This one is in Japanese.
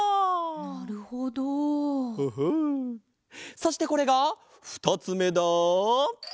そしてこれがふたつめだ。